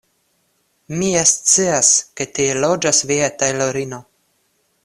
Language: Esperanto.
Mi ja scias, ke tie loĝas via tajlorino.